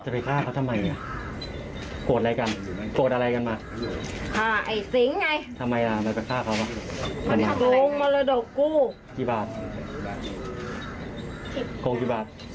แบบนี้